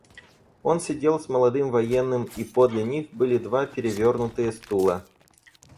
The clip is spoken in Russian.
Он сидел с молодым военным, и подле них были два перевернутые стула.